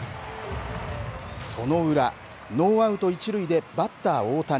その裏、ノーアウト一塁でバッター大谷。